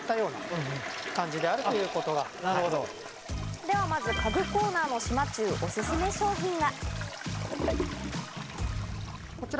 では、まず家具コーナーの島忠おすすめ商品が。